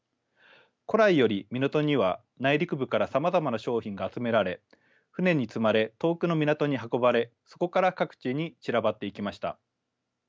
古来より港には内陸部からさまざまな商品が集められ船に積まれ遠くの港に運ばれそこから各地に散らばっていきました。